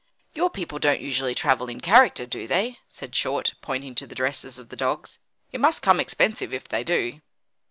"Your people don't usually travel in character, do they?" said Short, pointing to the dresses of the dogs. "It must come expensive, if they do."